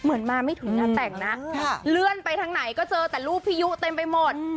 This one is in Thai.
เหมือนมาไม่ถึงงานแต่งนะเลื่อนไปทางไหนก็เจอแต่รูปพี่ยุเต็มไปหมด